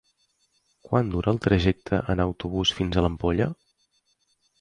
Quant dura el trajecte en autobús fins a l'Ampolla?